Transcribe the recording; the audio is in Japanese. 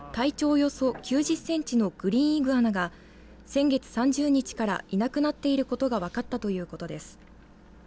およそ９０センチのグリーンイグアナが先月３０日からいなくなっていることが分かったということです。